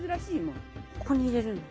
ここに入れるんだ。